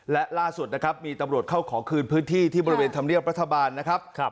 และล่าสุดนะครับมีตำรวจเข้าขอคืนพื้นที่ที่บริเวณธรรมเนียบรัฐบาลนะครับ